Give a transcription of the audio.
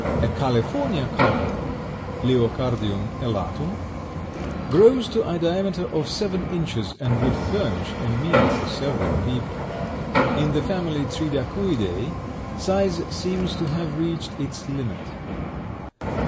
A California cockle (Liocardium elatum) grows to a diameter of seven inches and would furnish a meal for several people. In the family Tridacuidae size seems to have reached its limit.